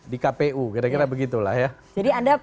di kpu kira kira begitulah ya